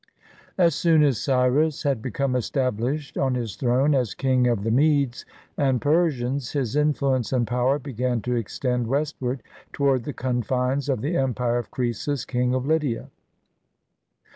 ] As soon as Cyrus had become established on his throne as King of the Medes and Persians, his influence and power began to extend westward toward the confines of the empire of Croesus, King of Lydia.